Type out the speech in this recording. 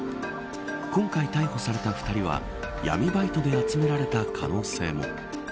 今回、逮捕された２人は闇バイトで集められた可能性も。